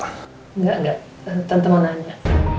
nggak nggak tentang temanannya